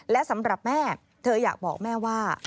และสำหรับแม่เธออยากบอกแม่ว่า